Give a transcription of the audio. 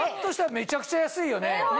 めちゃくちゃ安いよね！